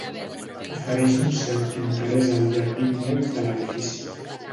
Ofereix un cert interès el jardí annex de l'edifici.